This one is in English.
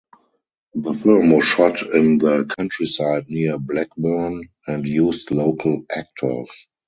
The film was shot in the countryside near Blackburn and used local actors.